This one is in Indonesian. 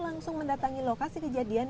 langsung mendatangi lokasi kejadian